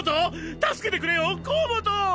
助けてくれよ甲本！！